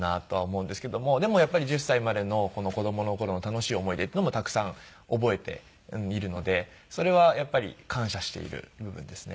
でもやっぱり１０歳までの子供の頃の楽しい思い出っていうのもたくさん覚えているのでそれはやっぱり感謝している部分ですね。